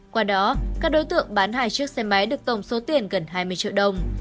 qua đó các đối tượng bán hai chiếc xe máy được tổng số tiền gần hai mươi triệu đồng